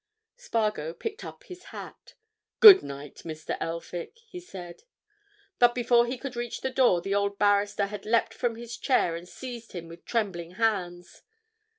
Spargo picked up his hat. "Good night, Mr. Elphick," he said. But before he could reach the door the old barrister had leapt from his chair and seized him with trembling hands.